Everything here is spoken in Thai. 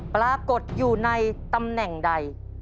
ปรากฏอยู่ในตำแหน่งใด